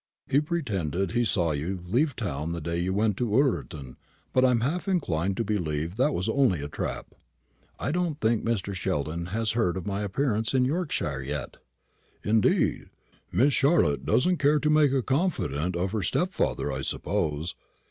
He pretended he saw you leave town the day you went to Ullerton, but I am half inclined to believe that was only a trap." "I don't think Mr. Sheldon has heard of my appearance in Yorkshire yet." "Indeed! Miss Charlotte doesn't care to make a confidant of her stepfather, I suppose.